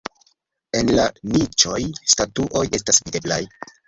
En la niĉoj statuoj estas videblaj.